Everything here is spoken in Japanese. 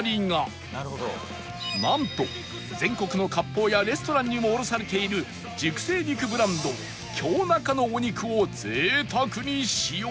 なんと全国の割烹やレストランにも卸されている熟成肉ブランド京中のお肉を贅沢に使用